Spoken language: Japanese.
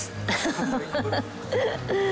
ハハハハッ。